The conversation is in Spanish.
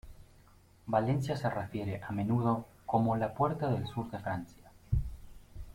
Valencia se refiere a menudo como "la puerta del sur de Francia".